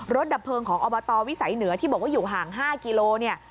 ดับเพลิงของอบตวิสัยเหนือที่บอกว่าอยู่ห่าง๕กิโลเนี่ย